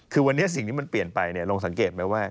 คือวันนี้สิ่งที่มันเปลี่ยนไปลองสังเกตไหมว่า